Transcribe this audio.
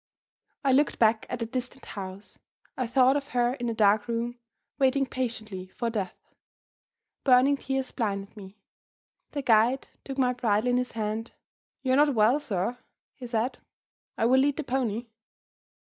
I looked back at the distant house. I thought of her in the dark room, waiting patiently for death. Burning tears blinded me. The guide took my bridle in his hand: "You're not well, sir," he said; "I will lead the pony."